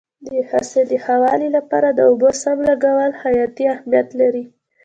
د حاصل د ښه والي لپاره د اوبو سم لګول حیاتي اهمیت لري.